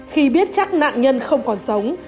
khi biết chắc nạn nhân không còn sống